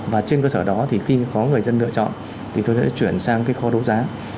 và trên cơ sở đó thì khi có người dân lựa chọn thì tôi sẽ chuyển sang cái kho đấu giá